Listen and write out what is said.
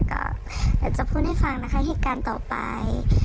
ก็อยากจะพูดให้ฟังนะคะเหตุการณ์ต่อไป